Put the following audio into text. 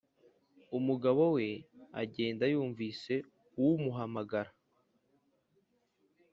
umugabo we agenda yumvise uwumuhamagara